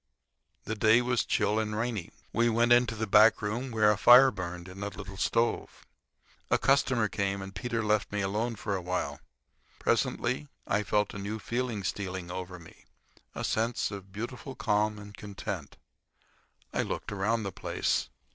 The day was chill and rainy. We went into the back room, where a fire burned, in a little stove. A customer came, and Peter left me alone for a while. Presently I felt a new feeling stealing over me—a sense of beautiful calm and content, I looked around the place.